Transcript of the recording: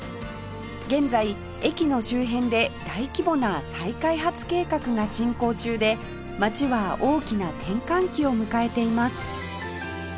現在駅の周辺で大規模な再開発計画が進行中で街は大きな転換期を迎えています